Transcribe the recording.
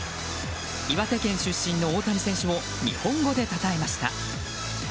岩手県出身の大谷選手を日本語でたたえました。